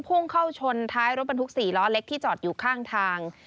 พุ่งเข้าชนท้ายรถบรรทุก๔ล้อเล็กที่จอดอยู่ข้างทาง